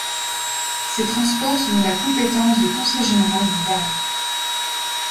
Ces transports sont de la compétence du conseil général du Var.